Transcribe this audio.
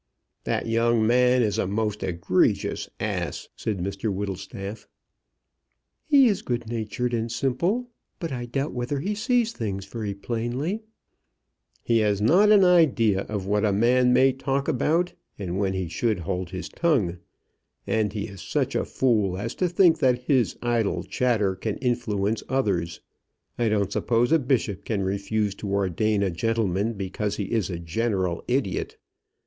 "That young man is a most egregious ass," said Mr Whittlestaff. "He is good natured and simple, but I doubt whether he sees things very plainly." "He has not an idea of what a man may talk about and when he should hold his tongue. And he is such a fool as to think that his idle chatter can influence others. I don't suppose a bishop can refuse to ordain a gentleman because he is a general idiot.